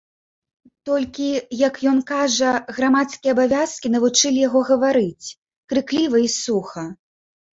Толькі, як ён кажа, грамадскія абавязкі навучылі яго гаварыць, крыкліва і суха.